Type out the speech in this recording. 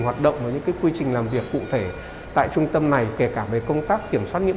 hoạt động và những cái quy trình làm việc cụ thể tại trung tâm này kể cả về công tác kiểm soát nghiễm